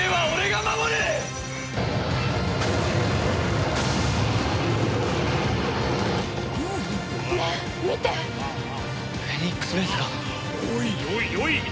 おい